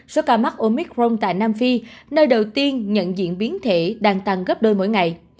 số ca mắc omicron tại nam phi nơi đầu tiên nhận diện biến thể đang tăng gấp đôi mỗi ngày